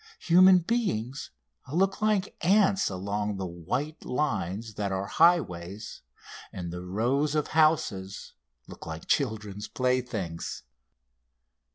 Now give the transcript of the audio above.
Human beings look like ants along the white lines that are highways, and the rows of houses look like children's playthings.